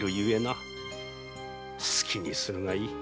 好きにするがいい。